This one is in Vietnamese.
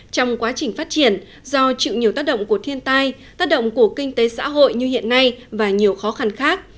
trong quá trình phát triển do chịu nhiều tác động của thiên tai tác động của kinh tế xã hội như hiện nay và nhiều khó khăn khác